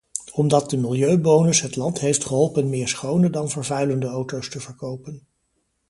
Omdat de milieubonus het land heeft geholpen meer schone dan vervuilende auto's te verkopen.